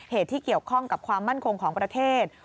เหตุที่เกี่ยวข้องกับความมั่นคงของประเทศ